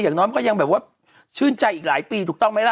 อย่างน้อยมันก็ยังแบบว่าชื่นใจอีกหลายปีถูกต้องไหมล่ะ